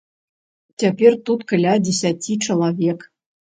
Цяпер тут каля дзесяці чалавек.